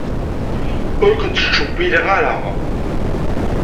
Ur ken-ttcewwileɣ ara.